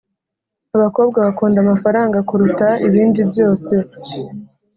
Abakobwa bakunda amafaranga kuruta ibindi byose